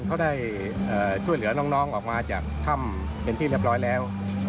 เขาได้ช่วยเหลือน้องออกมาจากถ้ำเป็นที่เรียบร้อยแล้ว